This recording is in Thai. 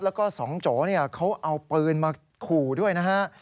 แล้วก็สองโจเขาเอาปืนมาขู่ด้วยนะฮะ